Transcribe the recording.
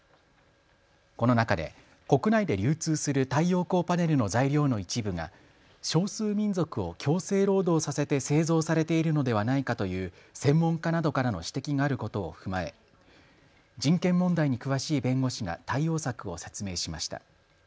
この中で国内で流通する太陽光パネルの材料の一部が少数民族を強制労働させて製造されているのではないかという専門家などからの指摘があることを踏まえ人権問題に詳しい弁護士が対応策を説明しました。